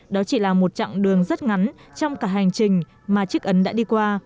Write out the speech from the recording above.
đó chỉ là một chặng đường rất ngắn trong cả hành trình mà chiếc ấn đã đi qua